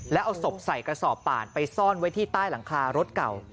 แล้วเอาศพใส่กระสอบป่านไปซ่อนไว้ที่ใต้หลังคารถเก่า